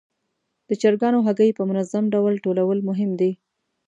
د چرګانو هګۍ په منظم ډول ټولول مهم دي.